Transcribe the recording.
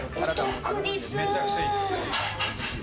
めちゃくちゃいいです。